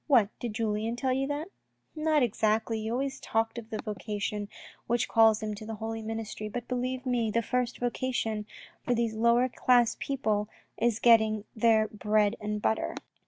" What, did Julien tell you that ?"" Not exactly, he always talked of the vocation which calls 136 THE RED AND THE BLACK him to the holy ministry, but believe me, the first vocation for those lower class people is getting their bread and butter.